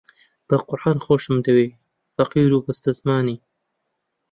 بە قورئان خۆشم دەوێ فەقیر و بەستەزمانی